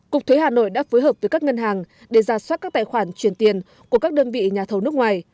cục thuế hà nội đã phối hợp với các ngân hàng để ra soát các tài khoản truyền tiền của các đơn vị nhà thầu nước ngoài